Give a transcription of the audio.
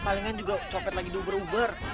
palingan juga copet lagi uber uber